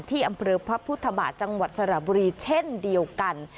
ที่อำเภอพระพุทธบาทจังหวัดสระบุรีเช่นเดียวกัน